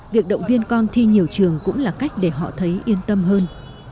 việc động viên con thi nhiều trường cũng là cách để họ thấy yên tâm hơn